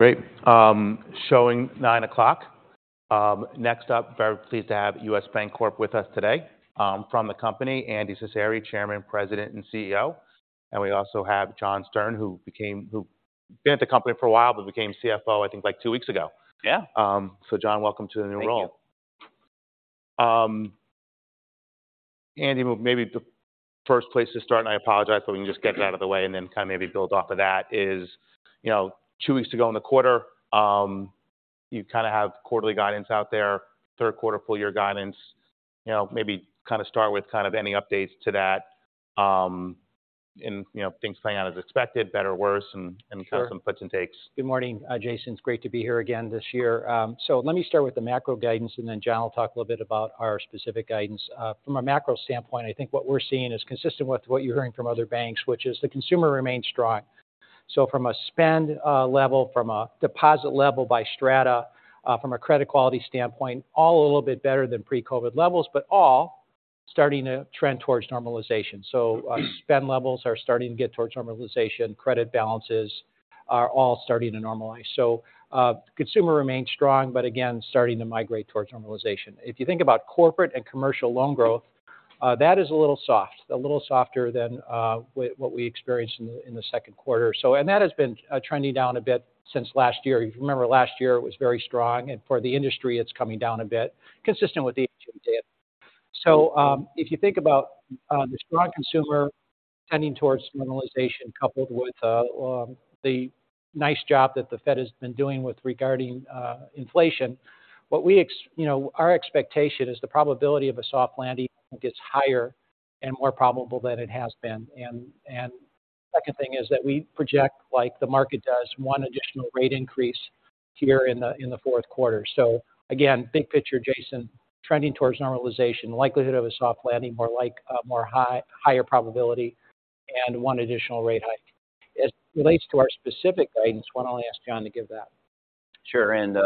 Great. Showing 9:00. Next up, very pleased to have U.S. Bancorp with us today. From the company, Andy Cecere, Chairman, President, and CEO. And we also have John Stern, who's been at the company for a while, but became CFO, I think, like, two weeks ago. Yeah. John, welcome to the new role. Thank you. Andy, maybe the first place to start, and I apologize, but we can just get it out of the way and then kind of maybe build off of that, is, you know, two weeks to go in the quarter, you kind of have quarterly guidance out there, third quarter, full year guidance. You know, maybe kind of start with kind of any updates to that, and, you know, things playing out as expected, better or worse, and- Sure. Some puts and takes. Good morning, Jason. It's great to be here again this year. So let me start with the macro guidance, and then John will talk a little bit about our specific guidance. From a macro standpoint, I think what we're seeing is consistent with what you're hearing from other banks, which is the consumer remains strong. So from a spend level, from a deposit level by strata, from a credit quality standpoint, all a little bit better than pre-COVID levels, but all starting to trend towards normalization. So spend levels are starting to get towards normalization, credit balances are all starting to normalize. So consumer remains strong, but again, starting to migrate towards normalization. If you think about corporate and commercial loan growth, that is a little soft, a little softer than what we experienced in the second quarter. So, and that has been trending down a bit since last year. If you remember, last year it was very strong, and for the industry, it's coming down a bit, consistent with the economic data. So, if you think about the strong consumer tending towards normalization, coupled with the nice job that the Fed has been doing with regarding inflation, you know, our expectation is the probability of a soft landing gets higher and more probable than it has been. And, second thing is that we project, like the market does, one additional rate increase here in the fourth quarter. So again, big picture, Jason, trending towards normalization, the likelihood of a soft landing, more like, more higher probability, and one additional rate hike. As it relates to our specific guidance, why don't I ask John to give that? Sure, good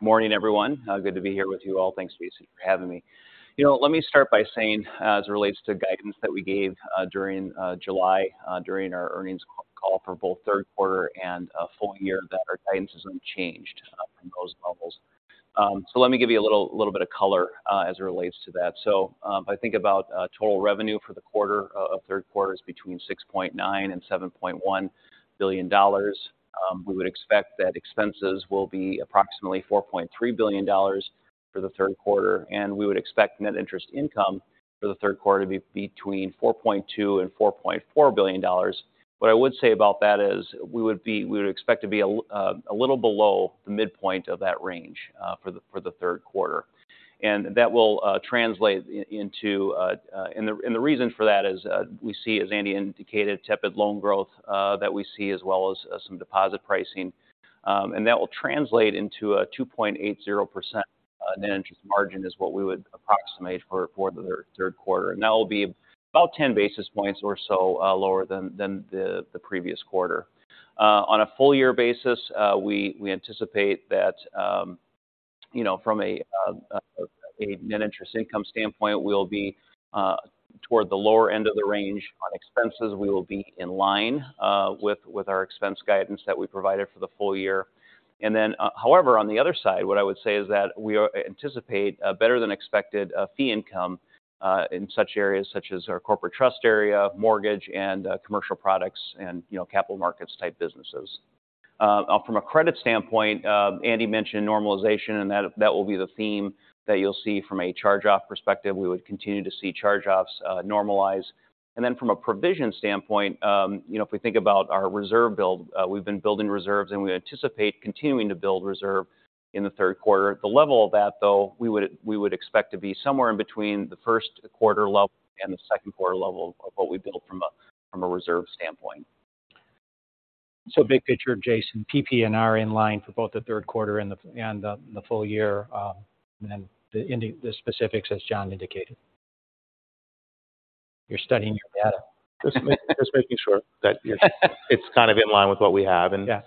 morning, everyone. Good to be here with you all. Thanks, Jason, for having me. You know, let me start by saying, as it relates to guidance that we gave during July during our earnings call for both third quarter and a full year, that our guidance is unchanged from those levels. So let me give you a little bit of color as it relates to that. So, if I think about total revenue for the quarter of third quarter is between $6.9 billion and $7.1 billion. We would expect that expenses will be approximately $4.3 billion for the third quarter, and we would expect net interest income for the third quarter to be between $4.2 billion and $4.4 billion. What I would say about that is we would expect to be a little below the midpoint of that range for the third quarter. And that will translate into, and the reason for that is we see, as Andy indicated, tepid loan growth that we see as well as some deposit pricing, and that will translate into a 2.80% net interest margin is what we would approximate for the third quarter. And that will be about 10 basis points or so lower than the previous quarter. On a full year basis, we anticipate that, you know, from a net interest income standpoint, we'll be toward the lower end of the range. On expenses, we will be in line with our expense guidance that we provided for the full year. And then, however, on the other side, what I would say is that we anticipate a better than expected fee income in such areas such as our corporate trust area, mortgage and commercial products and, you know, capital markets type businesses. From a credit standpoint, Andy mentioned normalization, and that, that will be the theme that you'll see from a charge-off perspective. We would continue to see charge-offs normalize. And then from a provision standpoint, you know, if we think about our reserve build, we've been building reserves, and we anticipate continuing to build reserve in the third quarter. The level of that, though, we would expect to be somewhere in between the first quarter level and the second quarter level of what we built from a reserve standpoint. So big picture, Jason, PPNR in line for both the third quarter and the full year, and then the specifics, as John indicated. You're studying your data. Just making sure that it's, it's kind of in line with what we have. Yeah.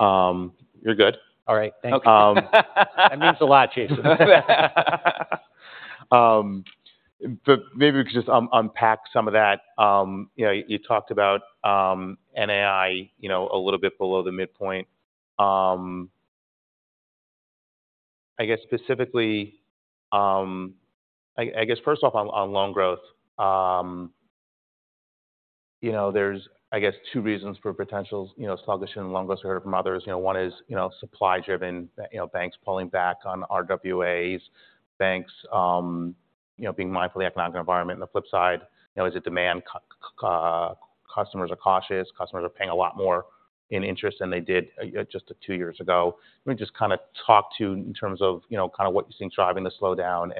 You're good. All right. Thank you. Um- That means a lot, Jason. But maybe we could just unpack some of that. You know, you talked about NII, you know, a little bit below the midpoint. I guess specifically, I guess first off, on loan growth, you know, there's, I guess, two reasons for potential sluggish in loan growth we heard from others. You know, one is, you know, supply driven, you know, banks pulling back on RWAs, banks, you know, being mindful of the economic environment. The flip side, you know, is the demand. Customers are cautious. Customers are paying a lot more in interest than they did just two years ago. Let me just kind of talk to you in terms of, you know, kind of what you're seeing driving the slowdown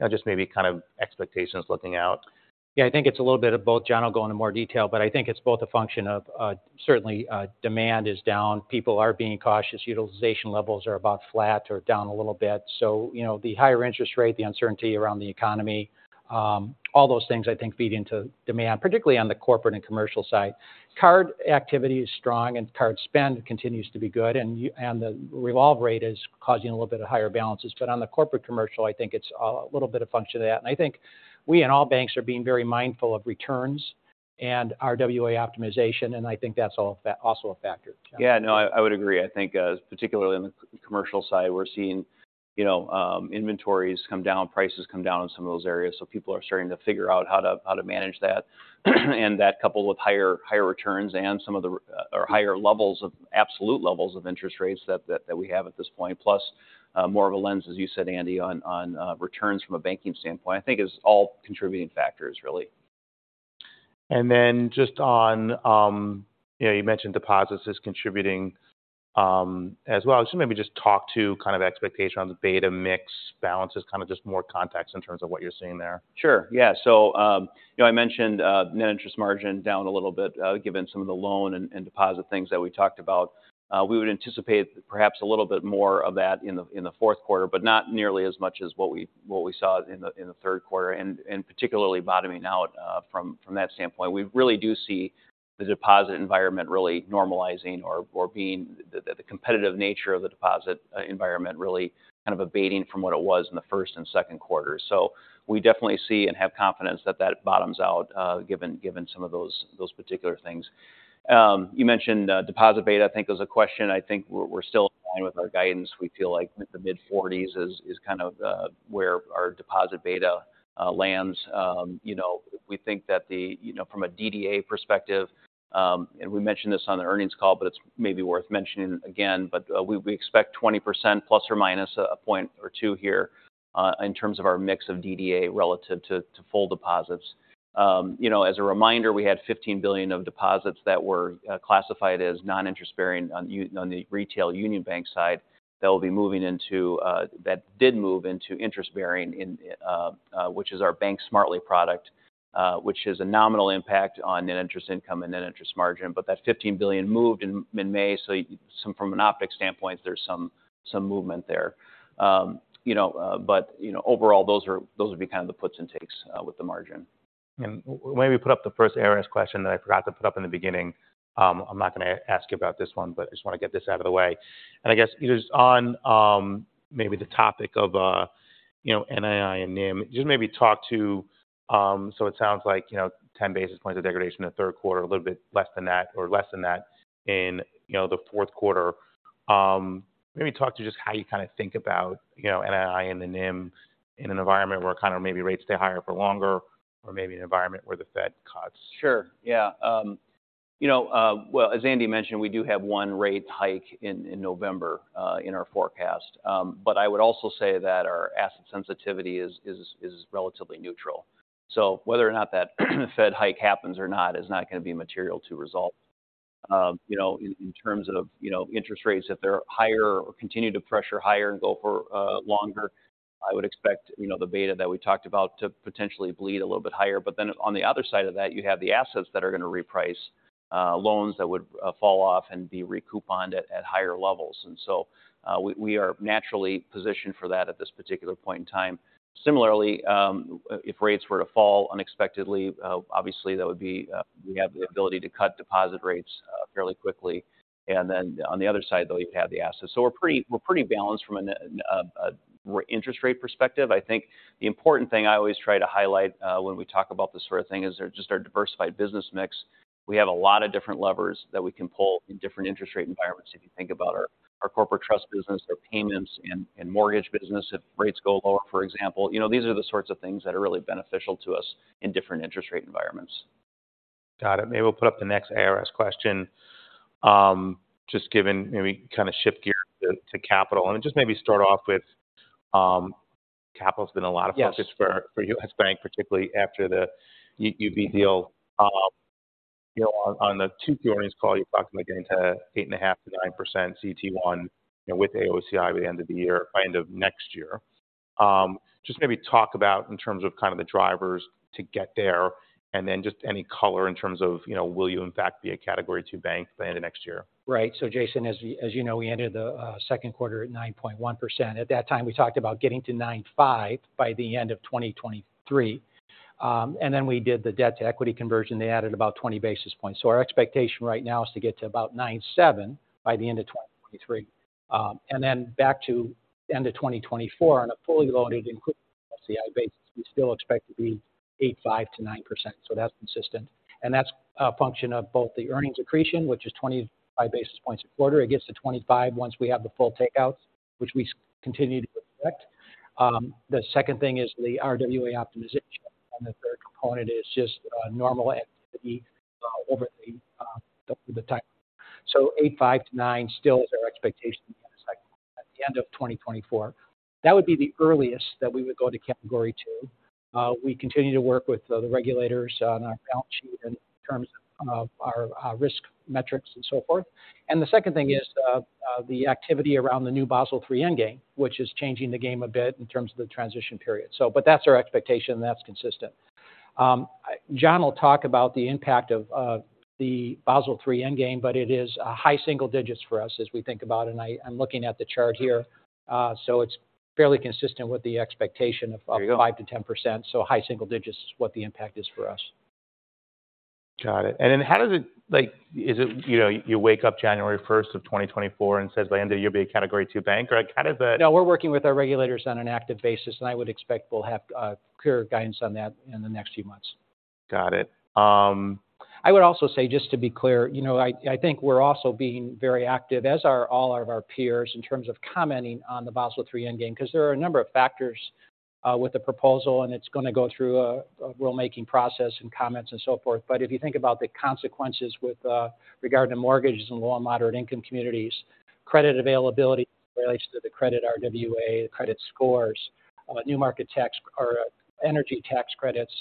and then just maybe kind of expectations looking out. Yeah, I think it's a little bit of both. John will go into more detail, but I think it's both a function of, certainly, demand is down. People are being cautious. Utilization levels are about flat or down a little bit. So, you know, the higher interest rate, the uncertainty around the economy, all those things, I think, feed into demand, particularly on the corporate and commercial side. Card activity is strong, and card spend continues to be good, and the revolve rate is causing a little bit of higher balances. But on the corporate commercial, I think it's a little bit of function of that. And I think we and all banks are being very mindful of returns... and our RWA optimization, and I think that's also a factor. Yeah. No, I would agree. I think, particularly on the commercial side, we're seeing, you know, inventories come down, prices come down in some of those areas. So people are starting to figure out how to, how to manage that. And that coupled with higher returns and some of the absolute levels of interest rates that we have at this point, plus more of a lens, as you said, Andy, on returns from a banking standpoint, I think is all contributing factors, really. And then just on, you know, you mentioned deposits is contributing, as well. So maybe just talk to kind of expectation on the beta mix balances, kind of just more context in terms of what you're seeing there. Sure. Yeah. So, you know, I mentioned net interest margin down a little bit, given some of the loan and deposit things that we talked about. We would anticipate perhaps a little bit more of that in the fourth quarter, but not nearly as much as what we saw in the third quarter, and particularly bottoming out from that standpoint. We really do see the deposit environment really normalizing or being the competitive nature of the deposit environment really kind of abating from what it was in the first and second quarter. So we definitely see and have confidence that that bottoms out, given some of those particular things. You mentioned deposit beta. I think there was a question. I think we're still in line with our guidance. We feel like the mid-forties is kind of where our deposit beta lands. You know, we think that the... You know, from a DDA perspective, and we mentioned this on the earnings call, but it's maybe worth mentioning again, but we expect 20%± a point or two here, in terms of our mix of DDA relative to full deposits. You know, as a reminder, we had $15 billion of deposits that were classified as non-interest-bearing on the retail Union Bank side. That will be moving into that did move into interest-bearing, which is our Bank Smartly product, which is a nominal impact on net interest income and net interest margin. But that $15 billion moved in May, so some from an optics standpoint, there's some movement there. You know, but you know, overall, those would be kind of the puts and takes with the margin. Maybe put up the first earnings question that I forgot to put up in the beginning. I'm not going to ask you about this one, but I just want to get this out of the way. I guess just on, maybe the topic of, you know, NII and NIM, just maybe talk to. So it sounds like, you know, 10 basis points of degradation in the third quarter, a little bit less than that, or less than that in, you know, the fourth quarter. Maybe talk to just how you kind of think about, you know, NII and the NIM in an environment where kind of maybe rates stay higher for longer, or maybe an environment where the Fed cuts. Sure. Yeah. You know, well, as Andy mentioned, we do have one rate hike in November in our forecast. But I would also say that our asset sensitivity is relatively neutral. So whether or not that Fed hike happens or not is not going to be material to result. You know, in terms of, you know, interest rates, if they're higher or continue to pressure higher and go for longer, I would expect, you know, the beta that we talked about to potentially bleed a little bit higher. But then on the other side of that, you have the assets that are going to reprice, loans that would fall off and be recouponed at higher levels. And so, we are naturally positioned for that at this particular point in time. Similarly, if rates were to fall unexpectedly, obviously, that would be we have the ability to cut deposit rates fairly quickly. And then on the other side, though, you'd have the assets. So we're pretty, we're pretty balanced from an interest rate perspective. I think the important thing I always try to highlight, when we talk about this sort of thing, is just our diversified business mix. We have a lot of different levers that we can pull in different interest rate environments. If you think about our, our corporate trust business, our payments and mortgage business, if rates go lower, for example, you know, these are the sorts of things that are really beneficial to us in different interest rate environments. Got it. Maybe we'll put up the next ARS question. Just given maybe kind of shift gear to capital, and just maybe start off with, capital's been a lot of- Yes... focus for, for U.S. Bank, particularly after the MU deal. You know, on, on the Q2 earnings call, you're talking getting to 8.5%-9% CET1, you know, with AOCI by the end of the year, by end of next year. Just maybe talk about in terms of kind of the drivers to get there, and then just any color in terms of, you know, will you in fact be a Category II bank by the end of next year? Right. So, Jason, as you, as you know, we ended the second quarter at 9.1%. At that time, we talked about getting to 9.5% by the end of 2023. And then we did the debt-to-equity conversion. They added about 20 basis points. So our expectation right now is to get to about 9.7% by the end of 2023. And then back to end of 2024 on a fully loaded AOCI basis, we still expect to be 8.5%-9%, so that's consistent. And that's a function of both the earnings accretion, which is 25 basis points a quarter. It gets to 25 basis points once we have the full takeouts, which we continue to expect. The second thing is the RWA optimization, and the third component is just normal activity over the time. So 8.5%-9% still is our expectation at the end of 2024. That would be the earliest that we would go toCategory II. We continue to work with the regulators on our balance sheet in terms of our risk metrics and so forth. And the second thing is the activity around the new Basel III Endgame, which is changing the game a bit in terms of the transition period. So but that's our expectation, that's consistent. John will talk about the impact of the Basel III Endgame, but it is a high single digits for us as we think about it. And I, I'm looking at the chart here, so it's fairly consistent with the expectation of- There you go.... 5%-10%. So high single digits is what the impact is for us. Got it. And then how does it—like, is it, you know, you wake up January 1st of 2024 and says, "By the end of the year, be a Category II Bank?" Or kind of the- No, we're working with our regulators on an active basis, and I would expect we'll have clearer guidance on that in the next few months.... Got it. I would also say, just to be clear, you know, I think we're also being very active, as are all of our peers, in terms of commenting on the Basel III Endgame. 'Cause there are a number of factors with the proposal, and it's going to go through a rulemaking process and comments and so forth. But if you think about the consequences with regard to mortgages in low- and moderate-income communities, credit availability relates to the credit RWA, credit scores, new market tax or energy tax credits,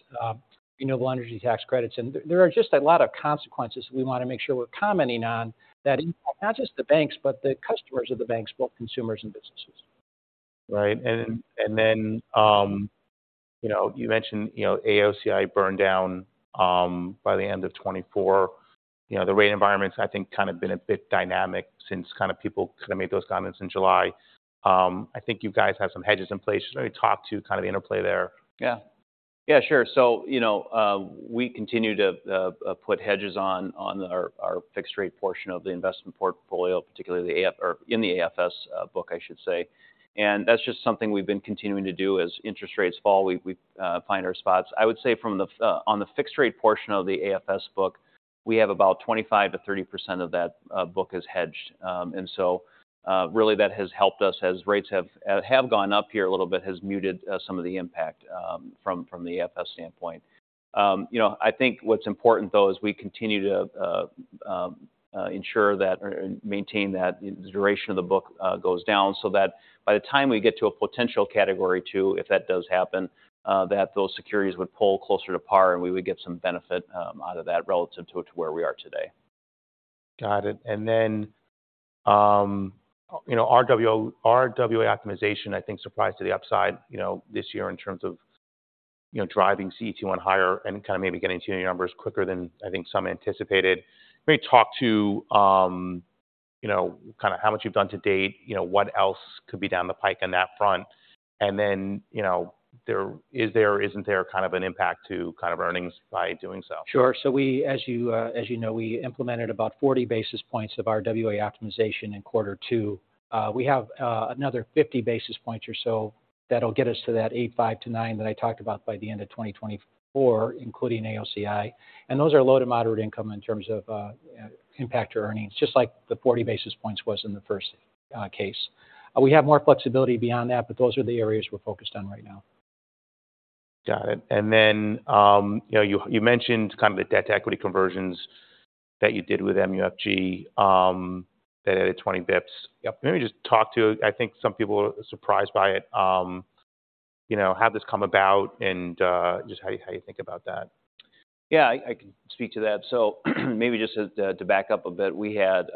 renewable energy tax credits. And there are just a lot of consequences we want to make sure we're commenting on that impact not just the banks, but the customers of the banks, both consumers and businesses. Right. And then, you know, you mentioned, you know, AOCI burn down by the end of 2024. You know, the rate environment's, I think, kind of been a bit dynamic since kind of people kind of made those comments in July. I think you guys have some hedges in place. Maybe talk to kind of the interplay there. Yeah. Yeah, sure. So, you know, we continue to put hedges on our fixed-rate portion of the investment portfolio, particularly the AFS book, I should say. And that's just something we've been continuing to do as interest rates fall, we find our spots. I would say on the fixed-rate portion of the AFS book, we have about 25%-30% of that book hedged. And so, really, that has helped us as rates have gone up here a little bit, has muted some of the impact from the AFS standpoint. You know, I think what's important, though, is we continue to ensure that or maintain that the duration of the book goes down so that by the time we get to a potential Category II, if that does happen, that those securities would pull closer to par, and we would get some benefit out of that relative to where we are today. Got it. And then, you know, RWA optimization, I think, surprised to the upside, you know, this year in terms of, you know, driving CET1 higher and kind of maybe getting to your numbers quicker than I think some anticipated. Maybe talk to, you know, kind of how much you've done to date, you know, what else could be down the pike on that front? And then, you know, is there or isn't there kind of an impact to kind of earnings by doing so? Sure. So we, as you know, we implemented about 40 basis points of our RWA optimization in quarter two. We have another 50 basis points or so that'll get us to that 8.5-9 that I talked about by the end of 2024, including AOCI. And those are low to moderate income in terms of impact to earnings, just like the 40 basis points was in the first case. We have more flexibility beyond that, but those are the areas we're focused on right now. Got it. And then, you know, you mentioned kind of the debt to equity conversions that you did with MUFG, that added 20 basis points. Yep. Let me just talk to... I think some people are surprised by it. You know, how did this come about, and just how you, how you think about that? Yeah, I can speak to that. So maybe just to back up a bit, we had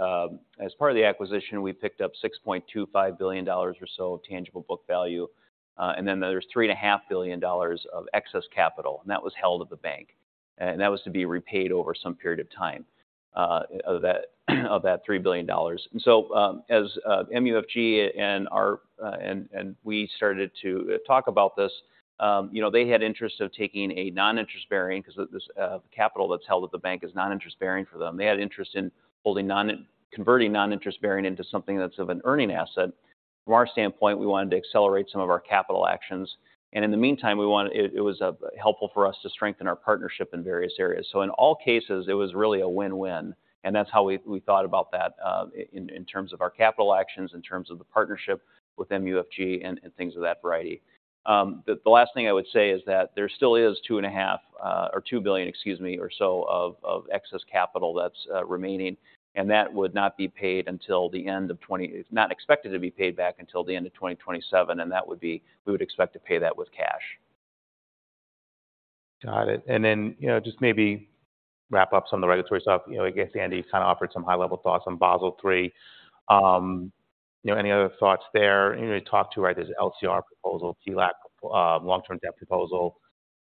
as part of the acquisition, we picked up $6.25 billion or so of tangible book value, and then there's $3.5 billion of excess capital, and that was held at the bank. And that was to be repaid over some period of time of that $3 billion. And so, as MUFG and our and we started to talk about this, you know, they had interest of taking a non-interest-bearing, 'cause of this capital that's held at the bank is non-interest-bearing for them. They had interest in holding non-converting non-interest-bearing into something that's of an earning asset. From our standpoint, we wanted to accelerate some of our capital actions, and in the meantime, we wanted—it was helpful for us to strengthen our partnership in various areas. So in all cases, it was really a win-win, and that's how we thought about that, in terms of our capital actions, in terms of the partnership with MUFG and things of that variety. The last thing I would say is that there still is $2.5 billion or $2 billion, excuse me, or so of excess capital that's remaining, and that would not be paid until the end of—it's not expected to be paid back until the end of 2027, and that would be—we would expect to pay that with cash. Got it. And then, you know, just maybe wrap up some of the regulatory stuff. You know, I guess Andy kind of offered some high-level thoughts on Basel III. You know, any other thoughts there? You know, there's LCR proposal, TLAC, long-term debt proposal.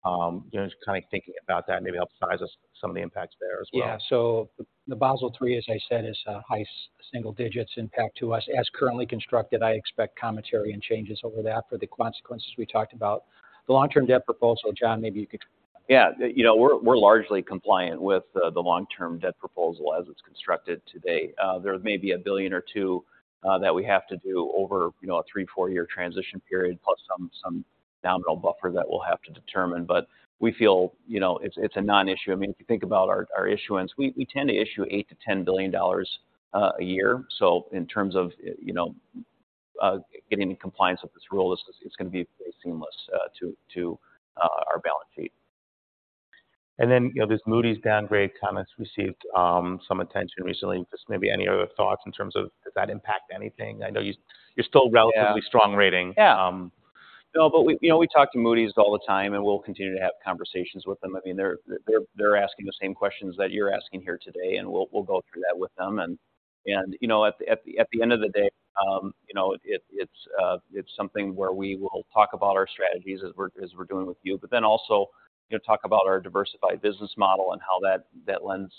You know, just kind of thinking about that, maybe help size us some of the impacts there as well. Yeah. So the Basel III, as I said, is a high single digits impact to us. As currently constructed, I expect commentary and changes over that for the consequences we talked about. The long-term debt proposal, John, maybe you could- Yeah. You know, we're largely compliant with the long-term debt proposal as it's constructed today. There may be a billion or two that we have to do over, you know, a three-four-year transition period, plus some nominal buffer that we'll have to determine. But we feel, you know, it's a non-issue. I mean, if you think about our issuance, we tend to issue $8 billion-$10 billion a year. So in terms of, you know, getting in compliance with this rule, it's going to be very seamless to our balance sheet. And then, you know, this Moody's downgrade kind of received some attention recently. Just maybe any other thoughts in terms of does that impact anything? I know you- Yeah. You're still relatively strong rating. Yeah. Um- No, but we, you know, we talk to Moody's all the time, and we'll continue to have conversations with them. I mean, they're asking the same questions that you're asking here today, and we'll go through that with them. And, you know, at the end of the day, you know, it's something where we will talk about our strategies as we're doing with you, but then also, you know, talk about our diversified business model and how that lends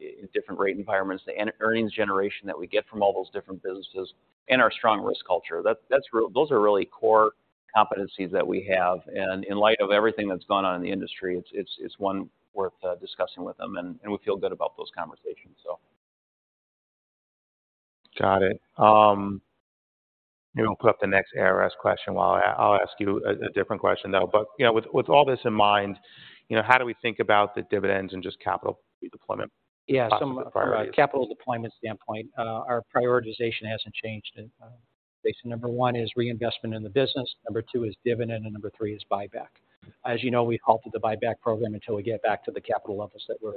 in different rate environments, the earnings generation that we get from all those different businesses and our strong risk culture. Those are really core competencies that we have, and in light of everything that's gone on in the industry, it's one worth discussing with them, and we feel good about those conversations, so.... Got it. We'll put up the next ARS question while I'll ask you a different question, though. But, you know, with all this in mind, you know, how do we think about the dividends and just capital deployment? Yeah. From a capital deployment standpoint, our prioritization hasn't changed. Number one is reinvestment in the business, number two is dividend, and number three is buyback. As you know, we halted the buyback program until we get back to the capital levels that we're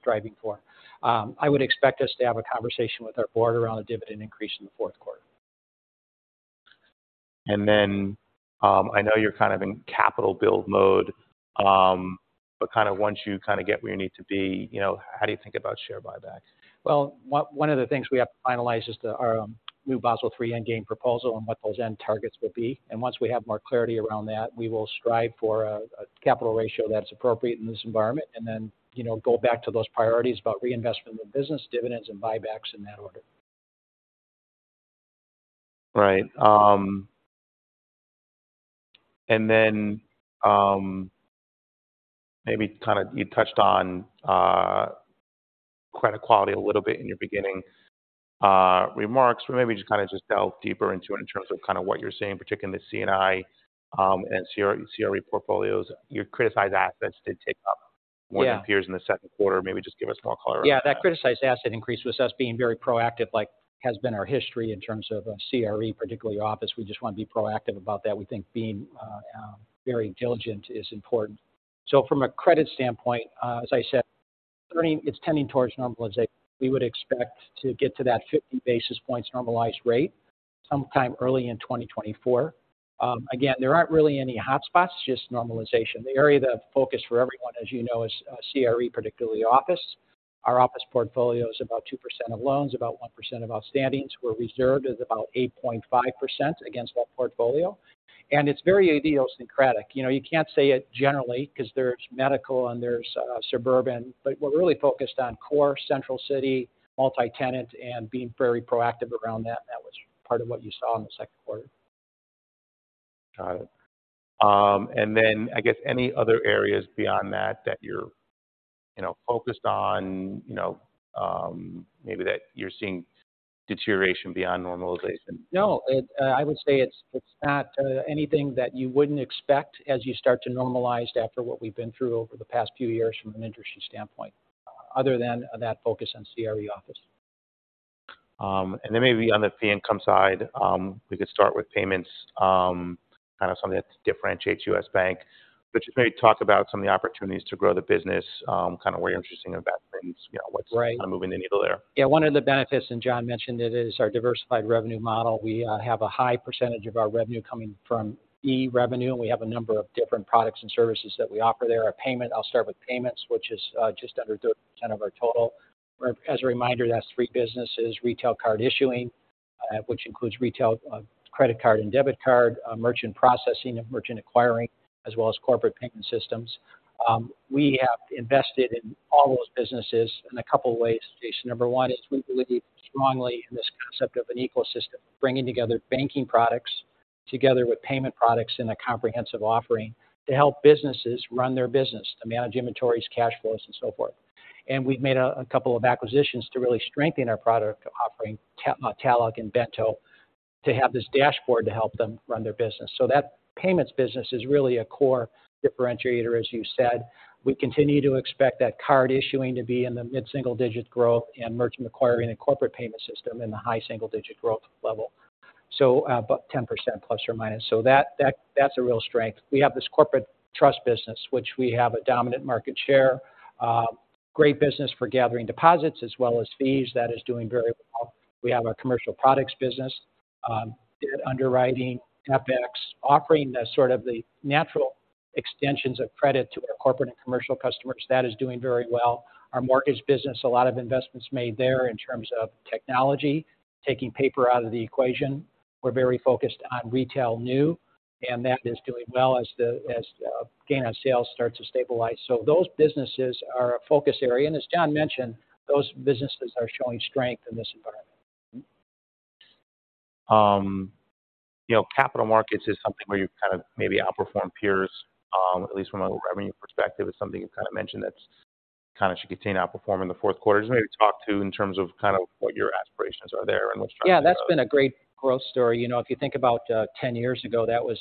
striving for. I would expect us to have a conversation with our board around a dividend increase in the fourth quarter. And then, I know you're kind of in capital build mode, but kind of once you kind of get where you need to be, you know, how do you think about share buybacks? Well, one of the things we have to finalize is our new Basel III Endgame proposal and what those end targets will be. And once we have more clarity around that, we will strive for a capital ratio that's appropriate in this environment. And then, you know, go back to those priorities about reinvestment in the business, dividends, and buybacks in that order. Right. And then, maybe kind of you touched on credit quality a little bit in your beginning remarks, but maybe just kind of delve deeper into it in terms of what you're seeing, particularly in the C&I and CRE portfolios. Your criticized assets did tick up- Yeah more than peers in the second quarter. Maybe just give us more color on that. Yeah, that criticized asset increase was us being very proactive, like has been our history in terms of CRE, particularly office. We just want to be proactive about that. We think being very diligent is important. So from a credit standpoint, as I said, it's tending towards normalization. We would expect to get to that 50 basis points normalized rate sometime early in 2024. Again, there aren't really any hotspots, just normalization. The area of focus for everyone, as you know, is CRE, particularly office. Our office portfolio is about 2% of loans, about 1% of outstandings. We're reserved is about 8.5% against that portfolio, and it's very idiosyncratic. You know, you can't say it generally because there's medical and there's suburban, but we're really focused on core central city multi-tenant and being very proactive around that. That was part of what you saw in the second quarter. Got it. And then I guess any other areas beyond that, that you're, you know, focused on, you know, maybe that you're seeing deterioration beyond normalization? No, I would say it's not anything that you wouldn't expect as you start to normalize after what we've been through over the past few years from an interest rate standpoint, other than that focus on CRE office. And then maybe on the fee income side, we could start with payments, kind of something that differentiates U.S. Bank. But just maybe talk about some of the opportunities to grow the business, kind of where you're interesting about things, you know- Right What's kind of moving the needle there. Yeah, one of the benefits, and John mentioned it, is our diversified revenue model. We have a high percentage of our revenue coming from e-revenue. We have a number of different products and services that we offer there. I'll start with payments, which is just under 30% of our total. As a reminder, that's three businesses: retail card issuing, which includes retail credit card and debit card, merchant processing and merchant acquiring, as well as corporate payment systems. We have invested in all those businesses in a couple of ways. Number one is we believe strongly in this concept of an ecosystem, bringing together banking products together with payment products in a comprehensive offering to help businesses run their business, to manage inventories, cash flows, and so forth. We've made a couple of acquisitions to really strengthen our product offering, talech and Bento, to have this dashboard to help them run their business. So that payments business is really a core differentiator, as you said. We continue to expect that card issuing to be in the mid-single-digit growth, and merchant acquiring a corporate payment system in the high single-digit growth level. So, about 10% plus or minus. So that's a real strength. We have this corporate trust business, which we have a dominant market share. Great business for gathering deposits as well as fees. That is doing very well. We have our commercial products business, debt underwriting, FX, offering the sort of the natural extensions of credit to our corporate and commercial customers. That is doing very well. Our mortgage business, a lot of investments made there in terms of technology, taking paper out of the equation. We're very focused on retail new, and that is doing well as the gain on sales starts to stabilize. So those businesses are a focus area, and as John mentioned, those businesses are showing strength in this environment. You know, capital markets is something where you kind of maybe outperform peers, at least from a revenue perspective. It's something you've kind of mentioned that kind of should continue to outperform in the fourth quarter. Just maybe talk to in terms of kind of what your aspirations are there and what's- Yeah, that's been a great growth story. You know, if you think about, 10 years ago, that was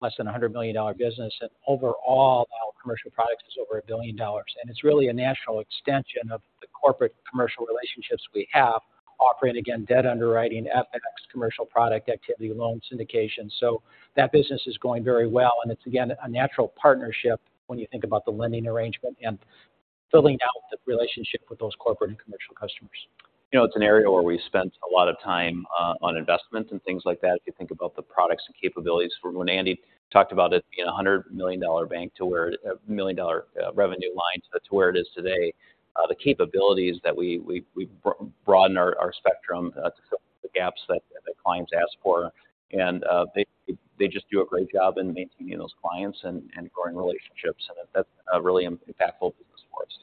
less than $100 million business. And overall, now commercial products is over $1 billion, and it's really a natural extension of the corporate commercial relationships we have, offering, again, debt underwriting, FX, commercial product activity, loan syndication. So that business is going very well, and it's, again, a natural partnership when you think about the lending arrangement and building out the relationship with those corporate and commercial customers. You know, it's an area where we spent a lot of time on investment and things like that. If you think about the products and capabilities from when Andy talked about it being a $100 million bank to where a $1 million revenue line to where it is today. The capabilities that we broaden our spectrum to the gaps that clients ask for. And they just do a great job in maintaining those clients and growing relationships, and that's a really impactful business for us.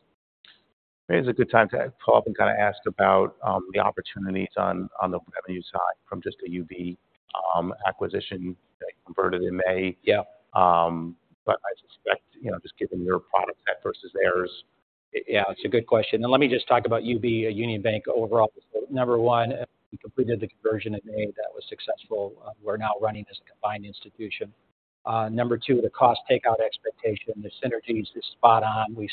Maybe it's a good time to follow up and kind of ask about the opportunities on the revenue side from just a UB acquisition that converted in May. Yeah. But I suspect, you know, just given your product set versus theirs- ... Yeah, it's a good question. And let me just talk about UB, Union Bank, overall. Number one, we completed the conversion in May. That was successful. We're now running this combined institution. Number two, the cost takeout expectation, the synergies is spot on. We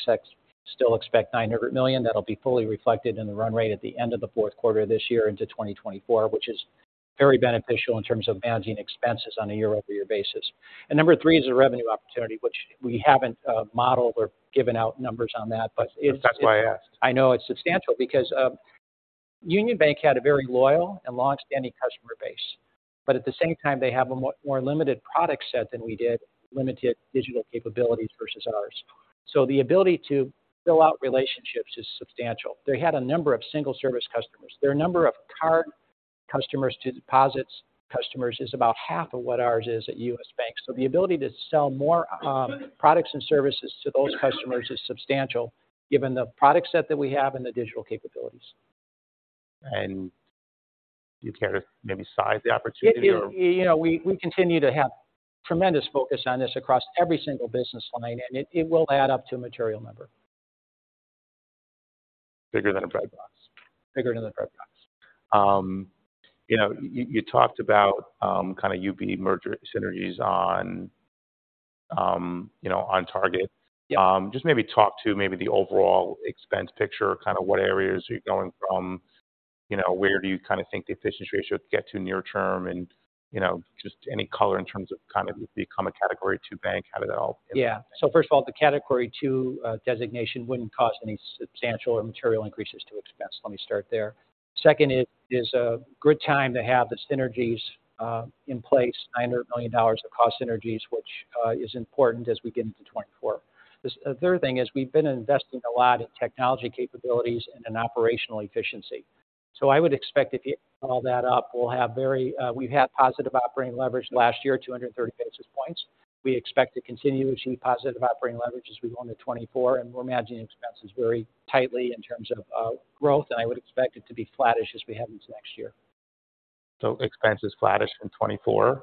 still expect $900 million. That'll be fully reflected in the run rate at the end of the fourth quarter this year into 2024, which is very beneficial in terms of managing expenses on a year-over-year basis. And number three is a revenue opportunity, which we haven't modeled or given out numbers on that, but it's- That's why I asked. I know it's substantial because, Union Bank had a very loyal and long-standing customer base, but at the same time, they have a more limited product set than we did, limited digital capabilities versus ours. So the ability to fill out relationships is substantial. They had a number of single-service customers. Their number of card customers to deposits customers is about half of what ours is at U.S. Bank. So the ability to sell more, products and services to those customers is substantial, given the product set that we have and the digital capabilities. Do you care to maybe size the opportunity or? You know, we continue to have tremendous focus on this across every single business line, and it will add up to a material number. Bigger than a bread box? Bigger than a bread box. You know, you talked about kind of UB merger synergies on, you know, on target. Yeah. Just maybe talk to maybe the overall expense picture, kind of what areas are you going from? You know, where do you kind of think the efficiency ratio to get to near term and, you know, just any color in terms of kind of become a Category II Bank, how did that all- Yeah. So first of all, the Category II designation wouldn't cause any substantial or material increases to expense. Let me start there. Second, it is a good time to have the synergies in place. $900 million of cost synergies, which is important as we get into 2024. The third thing is we've been investing a lot in technology capabilities and in operational efficiency. So I would expect if you add all that up, we'll have very-- we've had positive operating leverage last year, 230 basis points. We expect to continue to see positive operating leverage as we go into 2024, and we're managing expenses very tightly in terms of growth, and I would expect it to be flattish as we head into next year. Expense is flattish in 2024,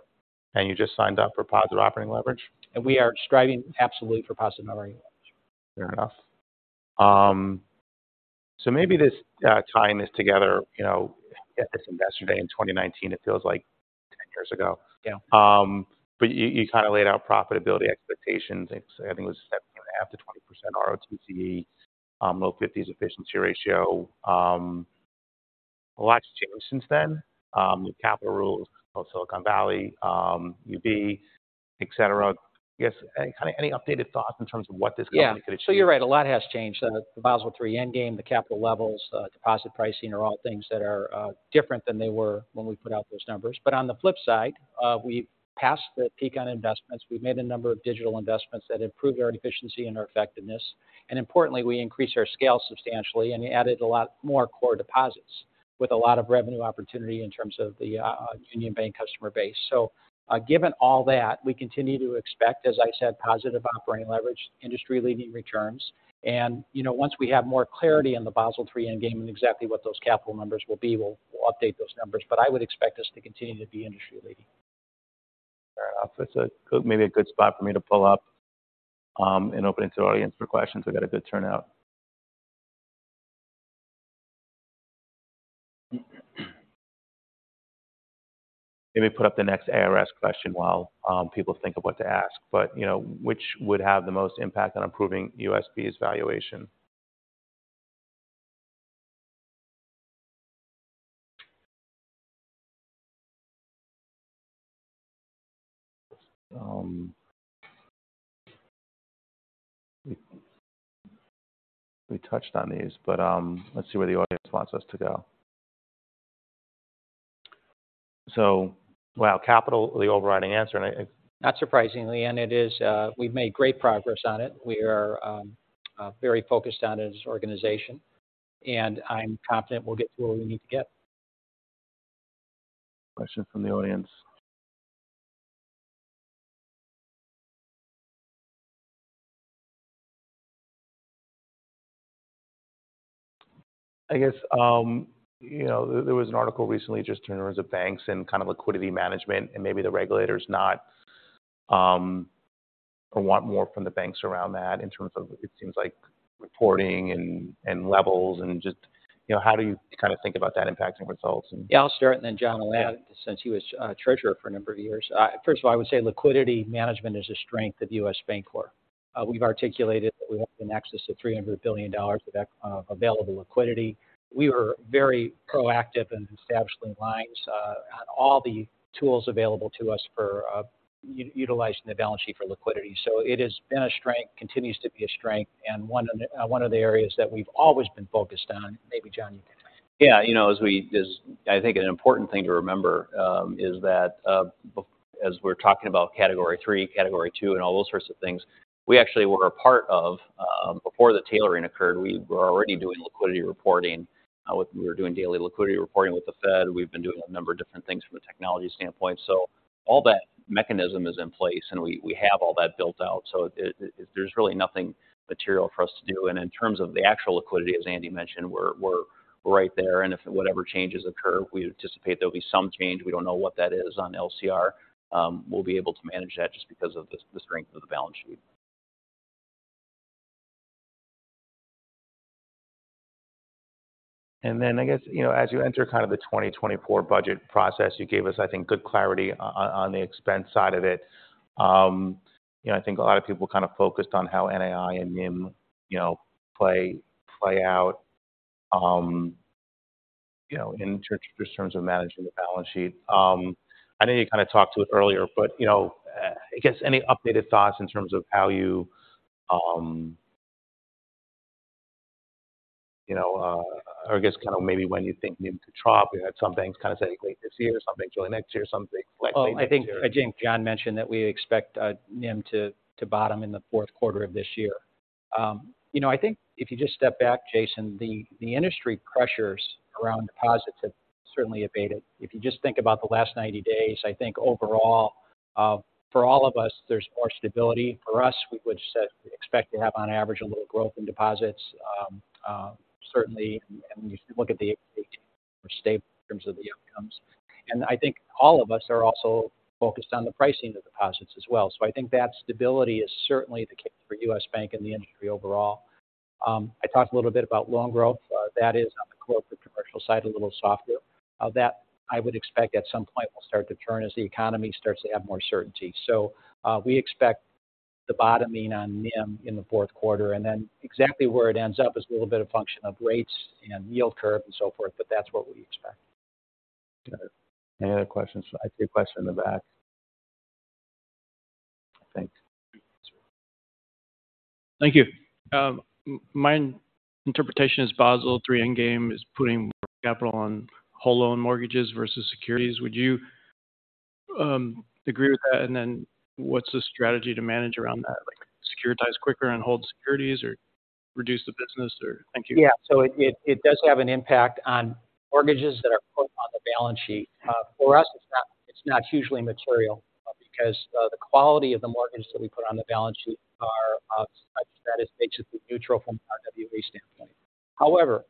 and you just signed up for positive operating leverage? We are striving absolutely for positive operating leverage. Fair enough. So maybe this time is together, you know, at this Investor Day in 2019, it feels like 10 years ago. Yeah. But you, you kind of laid out profitability expectations. I think it was 7.5%-20% ROTCE, low 50s efficiency ratio. A lot has changed since then, with capital rules of Silicon Valley, UB, et cetera. I guess, any kind of, any updated thoughts in terms of what this company could achieve? Yeah. So you're right, a lot has changed. The Basel III Endgame, the capital levels, deposit pricing are all things that are different than they were when we put out those numbers. But on the flip side, we passed the peak on investments. We've made a number of digital investments that improved our efficiency and our effectiveness, and importantly, we increased our scale substantially and added a lot more core deposits with a lot of revenue opportunity in terms of the Union Bank customer base. So, given all that, we continue to expect, as I said, positive operating leverage, industry-leading returns, and, you know, once we have more clarity on the Basel III Endgame and exactly what those capital numbers will be, we'll, we'll update those numbers. But I would expect us to continue to be industry-leading. Fair enough. It's a good—maybe a good spot for me to pull up and open it to the audience for questions. We've got a good turnout. Let me put up the next ARS question while people think of what to ask. But, you know, which would have the most impact on improving USB's valuation? We touched on these, but let's see where the audience wants us to go. So well, capital, the overriding answer, and I- Not surprisingly, and it is, we've made great progress on it. We are, very focused on it as an organization, and I'm confident we'll get to where we need to get. Question from the audience. I guess, you know, there was an article recently just in terms of banks and kind of liquidity management, and maybe the regulators not, or want more from the banks around that in terms of, it seems like, reporting and levels and just... You know, how do you kind of think about that impacting results and- Yeah, I'll start, and then John will add, since he was treasurer for a number of years. First of all, I would say liquidity management is a strength of U.S. Bancorp. We've articulated that we want in excess of $300 billion of available liquidity. We were very proactive in establishing lines on all the tools available to us for utilizing the balance sheet for liquidity. So it has been a strength, continues to be a strength, and one of the areas that we've always been focused on. Maybe, John, you can talk. Yeah, you know, as I think an important thing to remember is that, as we're talking about Category III, Category II, and all those sorts of things, we actually were a part of. Before the tailoring occurred, we were already doing liquidity reporting. We were doing daily liquidity reporting with the Fed. We've been doing a number of different things from a technology standpoint. So all that mechanism is in place, and we have all that built out. So it, there's really nothing material for us to do. And in terms of the actual liquidity, as Andy mentioned, we're right there. And if whatever changes occur, we anticipate there'll be some change. We don't know what that is on LCR. We'll be able to manage that just because of the, the strength of the balance sheet. And then I guess, you know, as you enter kind of the 2024 budget process, you gave us, I think, good clarity on the expense side of it. You know, I think a lot of people kind of focused on how NII and NIM, you know, play, play out, you know, in terms, just terms of managing the balance sheet. I know you kind of talked to it earlier, but, you know, I guess any updated thoughts in terms of how you, you know, or I guess kind of maybe when you think NIM could drop, you know, some banks kind of saying late this year, some banks early next year, some banks late next year? Well, I think, I think John mentioned that we expect NIM to bottom in the fourth quarter of this year. You know, I think if you just step back, Jason, the industry pressures around deposits have certainly abated. If you just think about the last 90 days, I think overall, for all of us, there's more stability. For us, we would say expect to have, on average, a little growth in deposits. Certainly, and when you look at the AT, more stable in terms of the outcomes. And I think all of us are also focused on the pricing of deposits as well. So I think that stability is certainly the case for U.S. Bank and the industry overall. I talked a little bit about loan growth, that is on the corporate commercial side, a little softer. That I would expect at some point will start to turn as the economy starts to have more certainty. So, we expect the bottoming on NIM in the fourth quarter, and then exactly where it ends up is a little bit of function of rates and yield curve and so forth, but that's what we expect. Any other questions? I see a question in the back. I think. Thank you. My interpretation is Basel III Endgame is putting more capital on whole loan mortgages versus securities. Would you agree with that? And then what's the strategy to manage around that? Like, securitize quicker and hold securities or reduce the business or... Thank you. Yeah. So it does have an impact on mortgages that are put on the balance sheet. For us, it's not hugely material, because the quality of the mortgages that we put on the balance sheet are of such that it's basically neutral from an RWA standpoint. However,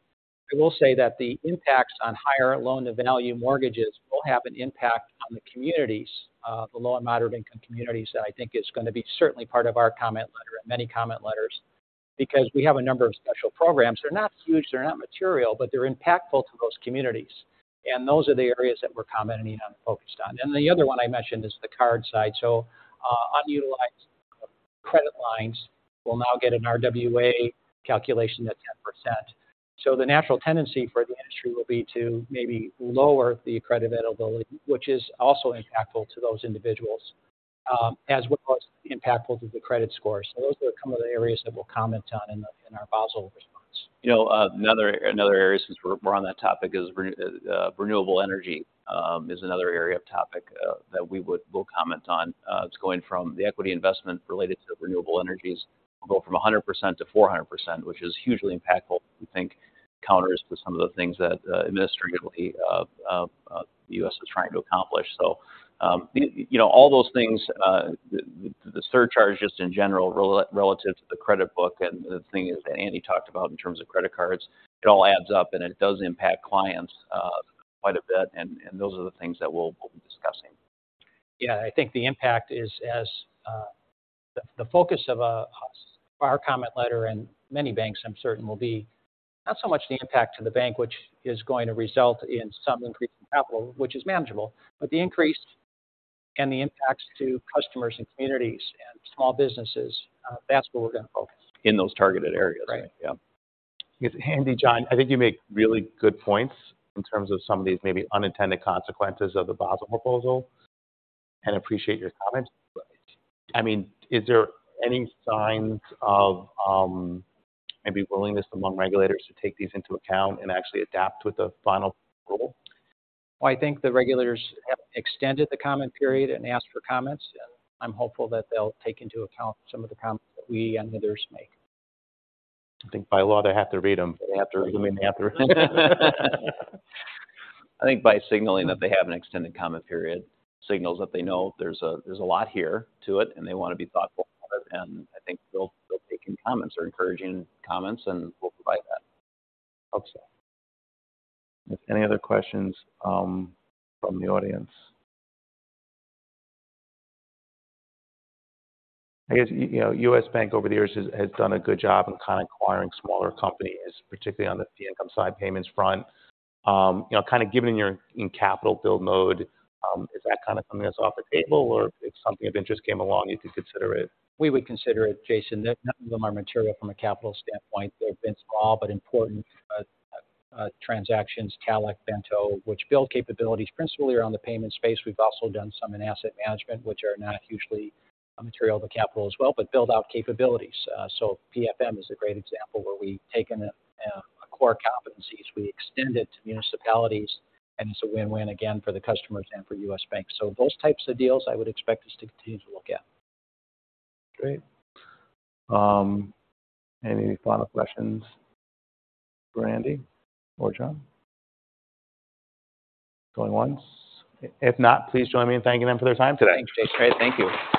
I will say that the impacts on higher loan-to-value mortgages will have an impact on the communities, the low and moderate-income communities, that I think is going to be certainly part of our comment letter and many comment letters, because we have a number of special programs. They're not huge, they're not material, but they're impactful to those communities, and those are the areas that we're commenting on and focused on. And the other one I mentioned is the card side. So, unutilized credit lines will now get an RWA calculation of 10%. So the natural tendency for the industry will be to maybe lower the credit availability, which is also impactful to those individuals, as well as impactful to the credit score. So those are some of the areas that we'll comment on in our Basel response. You know, another, another area, since we're, we're on that topic, is renewable energy, is another area of topic, that we'll comment on. It's going from the equity investment related to renewable energies, from 100% to 400%, which is hugely impactful, we think counters to some of the things that, administratively, the U.S. is trying to accomplish. So, you know, all those things, the surcharge, just in general, relative to the credit book and the thing is that Andy talked about in terms of credit cards, it all adds up, and it does impact clients, quite a bit, and those are the things that we'll be discussing. Yeah, I think the impact is as... The focus of our comment letter, and many banks, I'm certain, will be not so much the impact to the bank, which is going to result in some increase in capital, which is manageable, but the increase and the impacts to customers and communities and small businesses, that's where we're going to focus. In those targeted areas. Right. Yeah. Andy, John, I think you make really good points in terms of some of these maybe unintended consequences of the Basel proposal, and appreciate your comments. I mean, is there any signs of, maybe willingness among regulators to take these into account and actually adapt with the final rule? Well, I think the regulators have extended the comment period and asked for comments, and I'm hopeful that they'll take into account some of the comments that we and others make. I think by law, they have to read them. They have to read them. I think by signaling that they have an extended comment period, signals that they know there's a, there's a lot here to it, and they want to be thoughtful about it, and I think they'll, they'll take in comments or encouraging comments, and we'll provide that. Hope so. Any other questions from the audience? I guess you know, U.S. Bank over the years has done a good job in kind of acquiring smaller companies, particularly on the fee income side, payments front. You know, kind of given you're in capital build mode, is that kind of something that's off the table, or if something of interest came along, you could consider it? We would consider it, Jason. None of them are material from a capital standpoint. They've been small but important transactions, talech, Bento, which build capabilities principally around the payment space. We've also done some in asset management, which are not hugely material to capital as well, but build out capabilities. So PFM is a great example, where we've taken a core competencies. We extend it to municipalities, and it's a win-win again for the customers and for U.S. Bank. So those types of deals I would expect us to continue to look at. Great. Any final questions for Andy or John? Going once. If not, please join me in thanking them for their time today. Thanks, Jason. Great. Thank you.